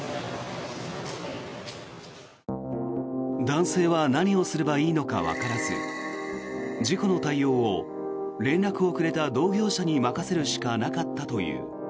男性は何をすればいいのかわからず事故の対応を連絡をくれた同業者に任せるしかなかったという。